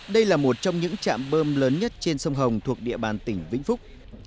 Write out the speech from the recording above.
đây là một trong những trạm bơm lớn nhất trên sông hồng thuộc địa bàn tỉnh vĩnh phúc